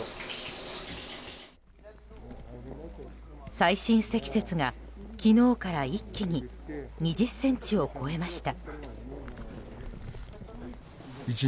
最深積雪が昨日から一気に２０ｃｍを超えました。